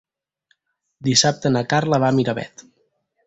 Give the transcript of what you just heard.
Dissabte na Carla va a Miravet.